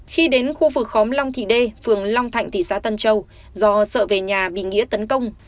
khi đến khu vực khóm long thị đê phường long thạnh thị xã tân châu do sợ về nhà bị nghĩa tấn công